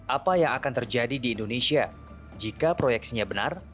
apa yang akan terjadi di indonesia jika proyeksinya benar